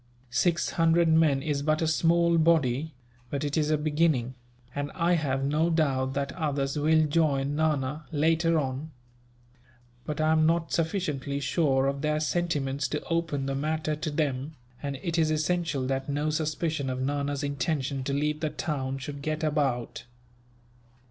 Six hundred men is but a small body; but it is a beginning, and I have no doubt that others will join Nana, later on. But I am not sufficiently sure of their sentiments to open the matter to them, and it is essential that no suspicion of Nana's intention to leave the town should get about.